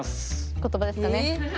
言葉ですかね。